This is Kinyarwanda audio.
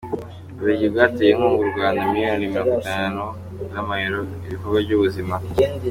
U Bubiligi bwateye inkunga u Rwanda miliyoni mirongwitanu z’amayero ibikorwa by’ubuzima